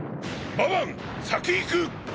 ババン先行く！